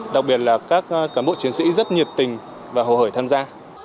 đặc biệt là các cán bộ chiến sĩ rất nhiệt tình và hồ hởi tham gia